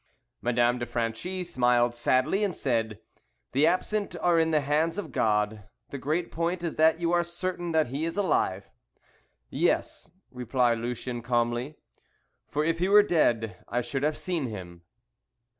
Madame de Franchi smiled sadly, and said, "The absent are in the hands of God, the great point is that you are certain that he is alive." "Yes," replied Lucien, calmly, "for if he were dead I should have seen him."